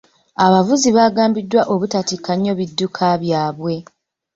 Abavuzi baagambibwa obutatikka nnyo bidduka byabwe.